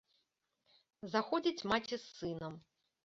Заходзіць маці з сынам.